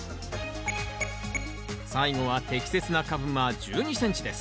最後は適切な株間１２ｃｍです